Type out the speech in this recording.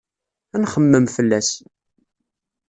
Ad nxemmem fell-as.